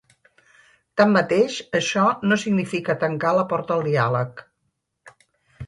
Tanmateix, això no significa tancar la porta al diàleg.